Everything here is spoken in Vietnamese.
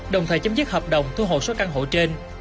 đồng thời chấm dứt hợp đồng thu hộ số căn hộ trên